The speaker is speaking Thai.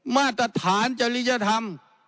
มาตรฐานจริยธรรม